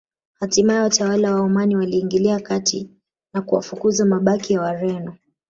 Hatimae watawala wa Omani waliingilia kati na kuwafukuza mabaki ya Wareno